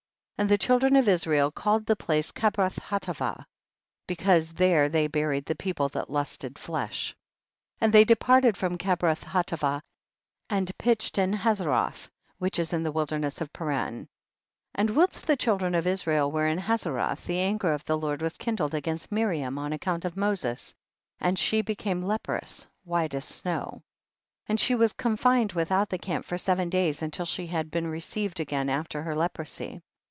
29. And the children of Israel called that place Kebroth Hattaavah, * See Numbers, ch. 3, v. 39. THE BOOK OF JASHER. 249 because there they buried the people that lusted flesh. 30. Aud they departed from Ke broth liattaavab and pitched in Ha zeroth, which is in the wilderness of Paran. 31. And whilst the children of Is rael were in Hazeroth, the anger of the Lord was kindled against Miriam on account of Moses, and she became leprous, iv/ute as snow. 32. And she was confined without the camp for seven days, until she had been received again after her leprosy.